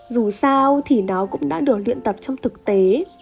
dù sao thì nó cũng đã được luyện tập trong thực tế